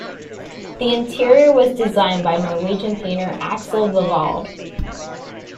The interior was designed by Norwegian painter Axel Revold.